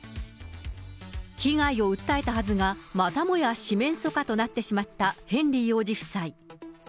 被害を訴えたはずがまたもや四面楚歌となってしまったヘンリー王子夫妻。